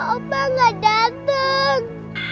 opa gak dateng